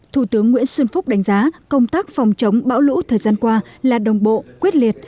thủ tướng nguyễn xuân phúc đánh giá công tác phòng chống bão lũ thời gian qua là đồng bộ quyết liệt